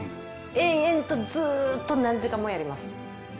延々とずっと何時間もやります